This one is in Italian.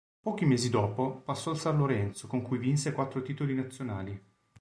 Pochi mesi dopo passò al San Lorenzo, con cui vinse quattro titoli nazionali.